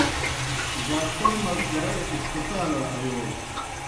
ڈاکٹر مزگرَڑ ہسپتالڑ آیو۔